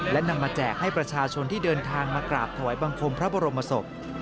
และนำมาแจกให้ประชาชนที่เดินทางมากราบถวายบังคมพระบรมศพ